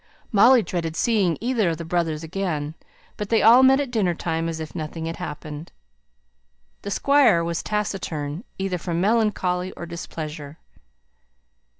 Molly dreaded seeing either of the brothers again; but they all met at dinner time as if nothing had happened. The Squire was taciturn, either from melancholy or displeasure.